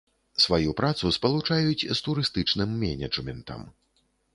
Сваю працу спалучаюць з турыстычным менеджментам.